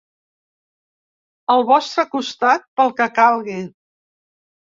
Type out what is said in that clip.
Al vostre costat pel que calgui.